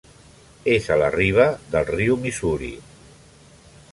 És a la riba del riu Missouri.